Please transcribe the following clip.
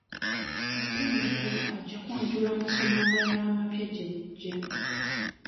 Ssettendekero ajja kwanjula amasomo amalala amapya gye bujja.